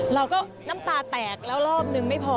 เราก็น้ำตาแตกแล้วรอบหนึ่งไม่พอ